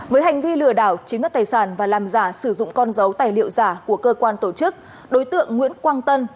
với hành vi lừa đảo chiếm đất tài sản và làm giả sử dụng con dấu tài liệu giả của cơ quan tổ chức đối tượng nguyễn quang tân